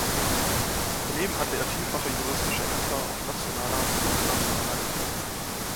Daneben hatte er vielfache juristische Ämter auf nationaler und internationaler Ebene.